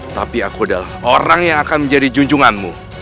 tapi aku adalah orang yang akan menjadi junjunganmu